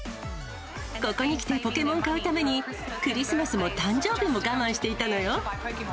ここに来て、ポケモン買うために、クリスマスも誕生日も我慢していたのよ。